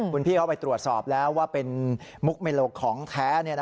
คุณพี่เขาไปตรวจสอบแล้วว่าเป็นมุกเมโลของแท้